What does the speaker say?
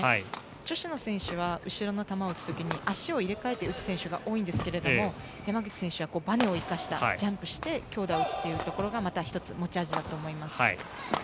女子の選手は後ろの球を打つ時に足を入れ替えて打つ選手が多いんですが山口選手はばねを生かしたジャンプして強打を打つということが１つ、持ち味だと思います。